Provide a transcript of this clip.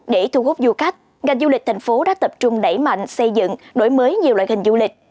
để thu hút du khách ngành du lịch thành phố đã tập trung đẩy mạnh xây dựng đổi mới nhiều loại hình du lịch